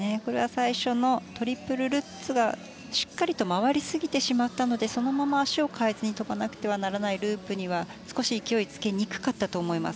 最初のトリプルルッツがしっかり回りすぎてしまったのでそのまま足を換えずに跳ばなくてはならないループには少し勢いがつけにくかったと思います。